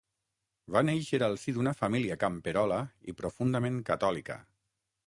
Va néixer al si d'una família camperola i profundament catòlica.